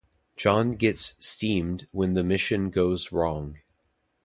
John gets steamed when the mission goes wrong.